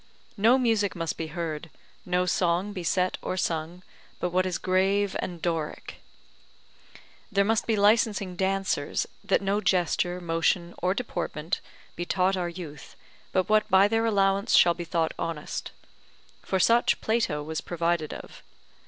No music must be heard, no song be set or sung, but what is grave and Doric. There must be licensing dancers, that no gesture, motion, or deportment be taught our youth but what by their allowance shall be thought honest; for such Plato was provided of.